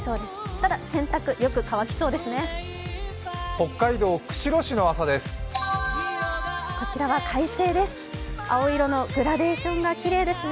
ただ洗濯、よく乾きそうですね。